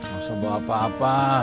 gak usah bawa apa apa